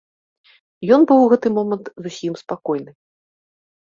Ён быў у гэты момант зусім спакойны.